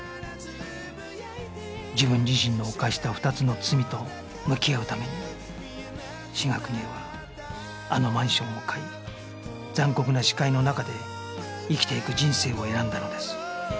自分自身の犯した２つの罪と向き合うために志賀邦枝はあのマンションを買い残酷な視界の中で生きていく人生を選んだのです